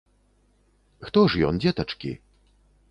Хто ж ён, дзетачкі?